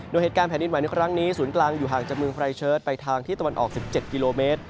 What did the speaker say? โดยเหตุการณ์แผ่นดินไหวในครั้งนี้ศูนย์กลางอยู่ห่างจากเมืองไพรเชิดไปทางที่ตะวันออก๑๗กิโลเมตร